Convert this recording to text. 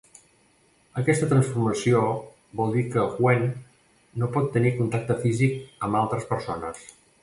Aquesta transformació vol dir que Hwen no pot tenir contacte físic amb altres persones.